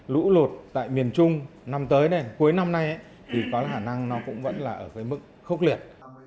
lũ lụt tại miền trung năm tới này cuối năm nay thì có khả năng nó cũng vẫn là ở cái mức khốc liệt